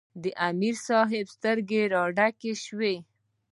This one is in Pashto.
د امیر صېب سترګې راډکې شوې ـ